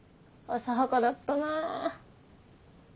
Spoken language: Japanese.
浅はかだったなぁ。